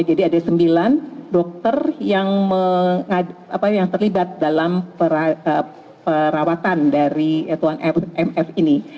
jadi ada sembilan dokter yang terlibat dalam perawatan dari t satu mf ini